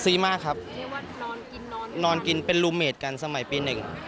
ซีมากครับนอนกินเป็นลูเมฆกันสมัยปี๑